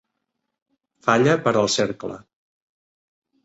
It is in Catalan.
Falla per al cercle.